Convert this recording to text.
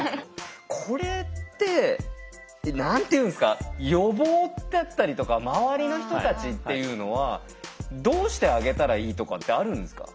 これって何て言うんですか予防ってあったりとか周りの人たちっていうのはどうしてあげたらいいとかってあるんですか？